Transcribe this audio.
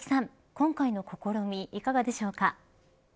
今回の試みいかがですか。